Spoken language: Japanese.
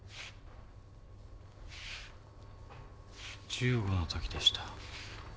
１５のときでした。